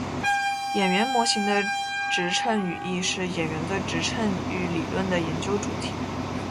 演员模型的指称语义是演员的指称域理论的研究主题。